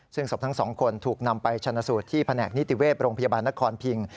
ซึ่งศพทั้งสองคนถูกนำไปชนะสูตรที่แผนกนิติเวศโรงพยาบาลนครพิง